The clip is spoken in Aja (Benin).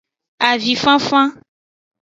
Avinfanfan.